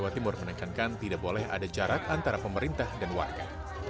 jawa timur menekankan tidak boleh ada jarak antara pemerintah dan warga